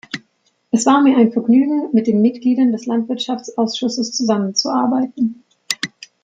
Es war mir ein Vergnügen, mit den Mitgliedern des Landwirtschaftsausschusses zusammenzuarbeiten.